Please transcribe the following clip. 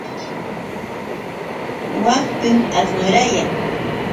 Wakpim asnurayan.